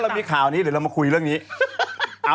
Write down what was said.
แต่หนูคิดว่าพี่หนูคือพี่หนู